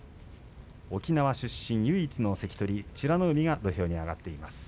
沖縄出身の唯一の関取、美ノ海が土俵に上がっています。